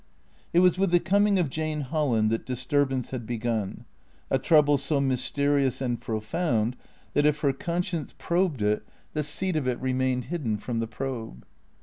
It was with the coming of Jane Holland that disturbance had begun; a trouble so mysterious and profound that, if her con science probed it, the seat of it remained hidden from the probe.